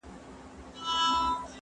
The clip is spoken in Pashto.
زه به خبري کړي وي،